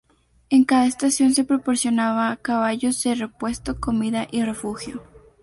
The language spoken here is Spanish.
En cada estación se proporcionaba caballos de repuesto, comida y refugio.